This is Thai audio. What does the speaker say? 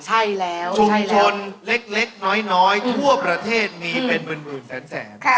ใช่แล้วชุมชนเล็กน้อยทั่วประเทศมีเป็นหมื่นแสน